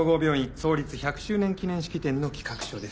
創立１００周年記念式典の企画書です。